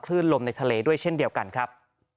ลมในทะเลด้วยเช่นเดียวกันครับ